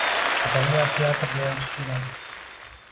Odamlar teatrni yaxshi ko‘radi